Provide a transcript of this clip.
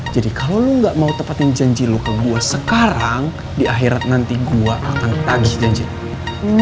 jadi kalo lo gak mau tepatin janji lo ke gue sekarang di akhirat nanti gue akan tagih janji lo